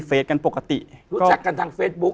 กันปกติรู้จักกันทางเฟซบุ๊ค